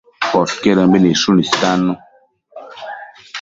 Podquedëmbi nidshun istannu